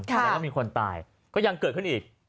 แล้วก็มีคนตายก็ยังเกิดขึ้นอีก